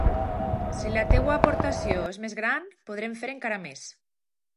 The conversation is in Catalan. Si la teva aportació és més gran, podrem fer encara més.